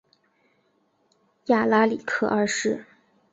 亚拉里克二世。